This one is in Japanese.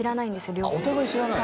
両方お互い知らない？